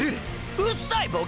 うっさいボケ！！